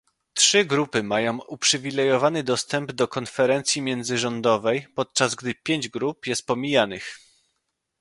Trzy grupy mają uprzywilejowany dostęp do Konferencji Międzyrządowej, podczas gdy pięć grup jest pomijanych